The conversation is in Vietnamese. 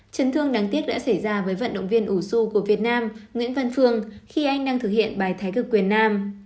chấn thương đáng tiếc đã xảy ra với vận động viên ủ xu của việt nam nguyễn văn phương khi anh đang thực hiện bài thái cực quyền nam